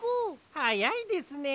はやいですね。